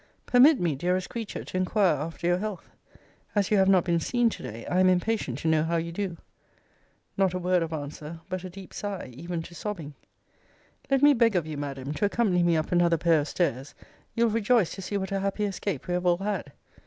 Permit me, dearest creature, to inquire after your health. As you have not been seen to day, I am impatient to know how you do. Not a word of answer; but a deep sigh, even to sobbing. Let me beg of you, Madam, to accompany me up another pair of stairs you'll rejoice to see what a happy escape we have all had.